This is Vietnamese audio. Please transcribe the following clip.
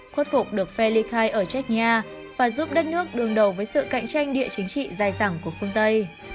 khuất phục được phe ly khai ở chechnya và giúp đất nước đường đầu với sự cạnh tranh địa chính trị dài dẳng của phương tây